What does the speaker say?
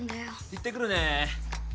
行ってくるねあっ